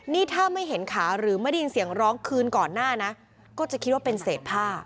นี่ถ้าไม่เห็นขาหรือไม่ได้ยินเสียงร้องคืนก่อนหน้านะก็จะคิดว่าเป็นเศษผ้า